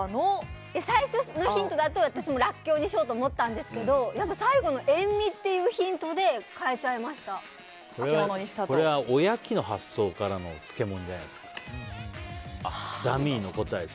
最初のヒントだと私もラッキョウにしようと思ったんですけど最後の塩みっていうヒントでお焼きの発想からの漬物じゃないですか。